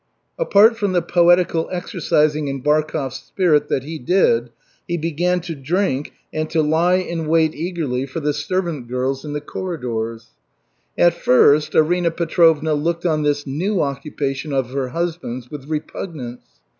Apart from the poetical exercising in Barkov's spirit that he did, he began to drink and to lie in wait eagerly for the servant girls in the corridors. At first Arina Petrovna looked on this new occupation of her husband's with repugnance.